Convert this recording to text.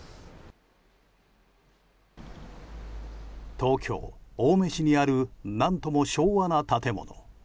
東京・青梅市にある何とも昭和な建物。